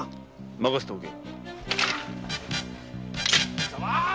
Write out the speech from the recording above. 任せておけ。